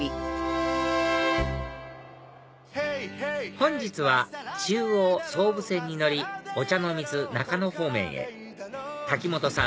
本日は中央・総武線に乗り御茶ノ水中野方面へ瀧本さん